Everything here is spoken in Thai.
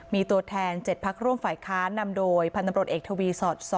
มีตัวแทน๗พักร่วมฝ่ายค้านำโดยพันธบรตเอกทวีสอร์ต๒